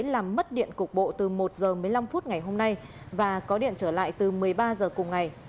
làm mất điện cục bộ từ một h một mươi năm phút ngày hôm nay và có điện trở lại từ một mươi ba h cùng ngày